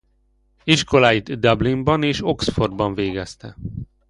Iskoláit Dublinban és Oxfordban végezte.